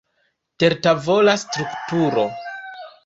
Tertavola strukturo.